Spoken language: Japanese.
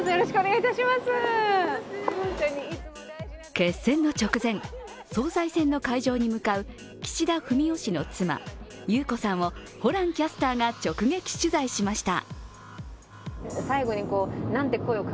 決戦の直前、総裁選の会場に向かう岸田文雄氏の妻・裕子さんをホランキャスターが直撃取材しました。